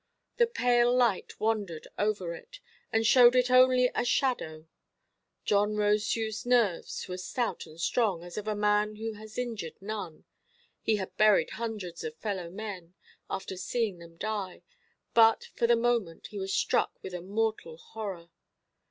The pale light wandered over it, and showed it only a shadow. John Rosedewʼs nerves were stout and strong, as of a man who has injured none; he had buried hundreds of fellow–men, after seeing them die; but, for the moment, he was struck with a mortal horror.